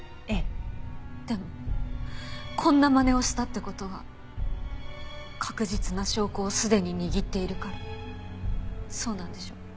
でもこんなまねをしたって事は確実な証拠をすでに握っているからそうなんでしょ？